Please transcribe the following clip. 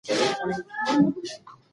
دا ځمکه د کرنې لپاره ډېره ښه ده.